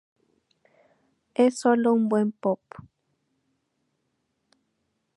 Es sólo buen pop.